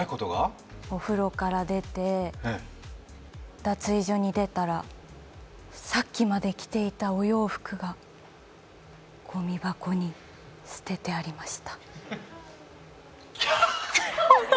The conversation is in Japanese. お風呂から出て、脱衣所に出たらさっきまで着ていたお洋服がごみ箱に捨ててありましたキャー！